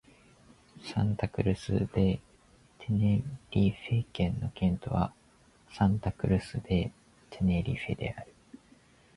サンタ・クルス・デ・テネリフェ県の県都はサンタ・クルス・デ・テネリフェである